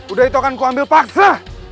udah itu akan kuambil paksa